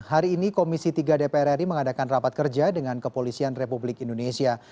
hari ini komisi tiga dpr ri mengadakan rapat kerja dengan kepolisian republik indonesia